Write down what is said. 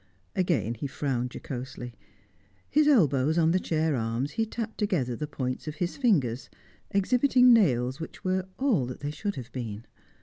Again he frowned jocosely. His elbows on the chair arms, he tapped together the points of his fingers, exhibiting nails which were all that they should have been.